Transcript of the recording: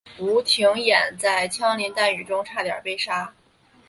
吴廷琰在枪林弹雨中差点被杀。